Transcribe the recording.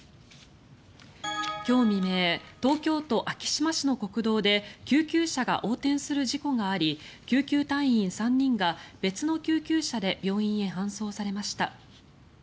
今日未明、東京都昭島市の国道で救急車が横転する事故があり救急隊員３人が別の救急車で病院に搬送されました。